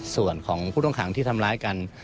ส่วนของผู้ต้องขังที่ทำร้ายกัน